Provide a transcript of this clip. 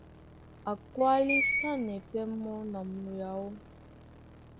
A kwálisanɛ pɛ́ mɔ́ na muyaó.